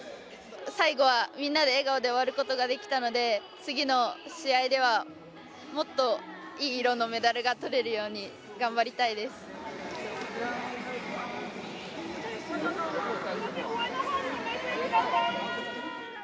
最後はみんなで笑顔で終わることができたので次の試合ではもっといい色のメダルがとれるように頑張りたいと思います。